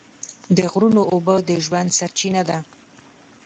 د غرونو اوبه د ژوند سرچینه ده.